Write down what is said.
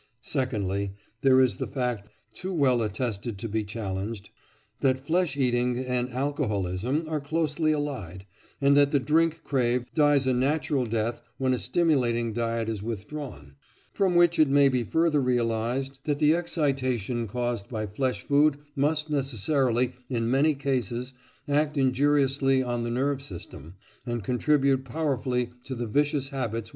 Secondly, there is the fact, too well attested to be challenged, that flesh eating and alcoholism are closely allied, and that the drink crave dies a natural death when a stimulating diet is withdrawn; from which it may be further realised that the excitation caused by flesh food must necessarily, in many cases, act injuriously on the nerve system and contribute powerfully to the vicious habits which moralists deplore.